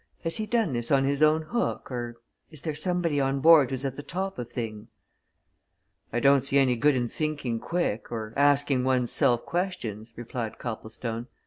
Has he done this on his own hook, or is there somebody on board who's at the top of things?" "I don't see any good in thinking quick, or asking one's self questions," replied Copplestone.